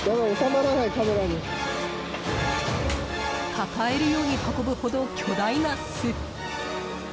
抱えるように運ぶほど巨大な巣。